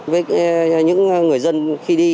với những người dân khi đi